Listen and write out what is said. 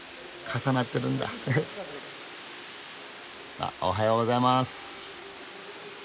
あおはようございます。